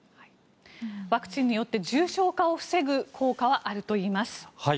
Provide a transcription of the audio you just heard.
ワクチンによって重症化を防ぐ効果はあるといいます。